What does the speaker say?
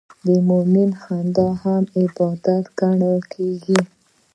د مؤمن خندا هم عبادت ګڼل کېږي.